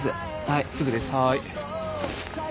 はいすぐですはい。